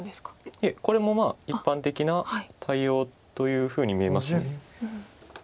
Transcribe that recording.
いえこれも一般的な対応というふうに見えます。